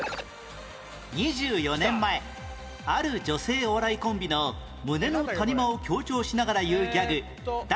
２４年前ある女性お笑いコンビの胸の谷間を強調しながら言うギャグ「だ